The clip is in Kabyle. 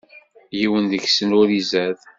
Yiwen deg-sen ur izad.